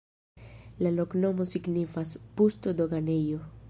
La loknomo signifas: pusto-doganejo.